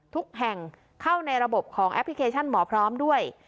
ทุกแห่งเข้าในระบบของแอปพลิเคชันหมอพร้อมด้วย